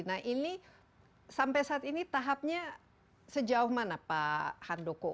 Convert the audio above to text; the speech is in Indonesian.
nah ini sampai saat ini tahapnya sejauh mana pak handoko